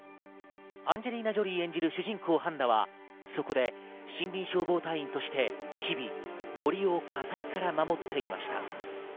アンジェリーナ・ジョリー演じる主人公ハンナはそこで森林消防隊員として日々、森を火災から守っていました。